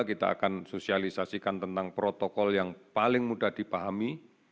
kita akan sosialisasikan tentang protokol yang paling mudah dipahami